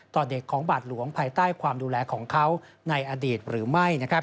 ต่อเด็กของบาทหลวงภายใต้ความดูแลของเขาในอดีตหรือไม่